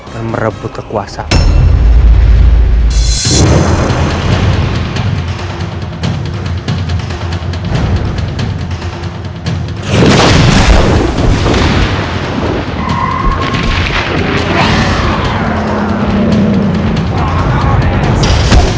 dan merebut kekuasamu